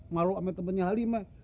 malu sama temannya halimah